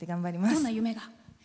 どんな夢が？